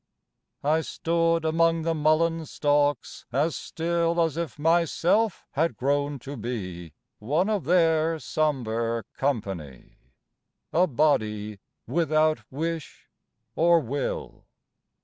I stood Among the mullein stalks as still As if myself had grown to be One of their sombre company, A body without wish or will.